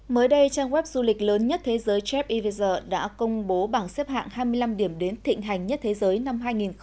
mới đây trang web du lịch lớn nhất thế giới jef eveser đã công bố bảng xếp hạng hai mươi năm điểm đến thịnh hành nhất thế giới năm hai nghìn hai mươi